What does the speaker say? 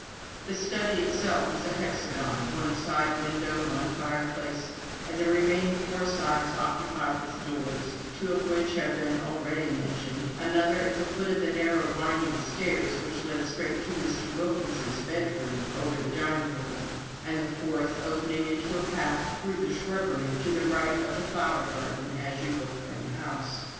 The study itself was a hexagon, one side window, one fireplace, and the remaining four sides occupied with doors, two of which have been already mentioned, another at the foot of the narrow winding stairs which led straight into Mr. Wilkins's bedroom over the dining room, and the fourth opening into a path through the shrubbery to the right of the flower garden as you looked from the house.